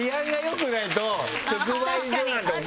直売所なんか。